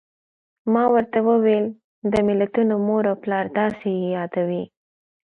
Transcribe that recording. ما ورته وویل: د ملتونو مور او پلار، داسې یې یادوي.